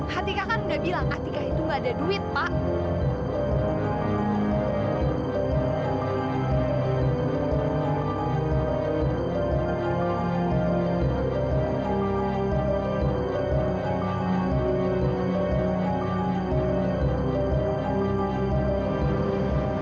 hatikah kan udah bilang ketika itu nggak ada duit pak